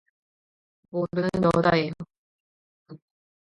모르는 여자예요